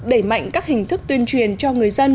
đẩy mạnh các hình thức tuyên truyền cho người dân